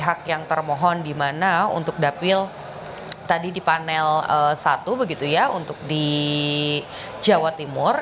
pihak yang termohon dimana untuk dapil tadi di panel satu begitu ya untuk di jawa timur